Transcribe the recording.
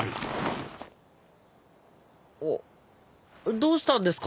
どうしたんですか？